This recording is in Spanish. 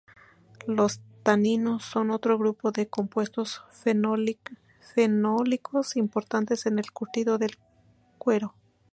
Los taninos son otro grupo de compuestos fenólicos importantes en el curtido del cuero.